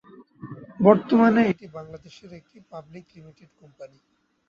বর্তমানে এটি বাংলাদেশের একটি পাবলিক লিমিটেড কোম্পানি।